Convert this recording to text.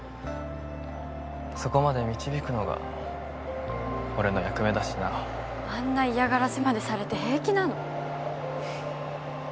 そこまで導くのが俺の役目だしなあんな嫌がらせまでされて平気なの？